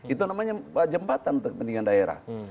itu namanya jembatan untuk kepentingan daerah